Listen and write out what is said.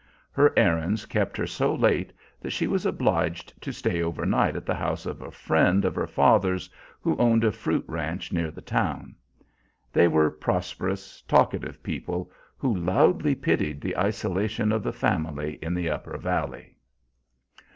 Her errands kept her so late that she was obliged to stay over night at the house of a friend of her father's, who owned a fruit ranch near the town. They were prosperous, talkative people, who loudly pitied the isolation of the family in the upper valley.